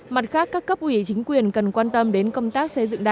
mặt khác các cấp ủy chính quyền cần quan tâm đến công tác